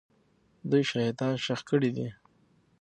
دوی شهیدان ښخ کړي دي.